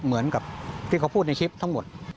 เหมือนกับที่เขาพูดในคลิปทั้งหมด